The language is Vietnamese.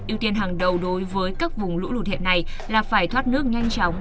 yêu tiên hàng đầu đối với các vùng lũ lụt hiện nay là phải thoát nước nhanh chóng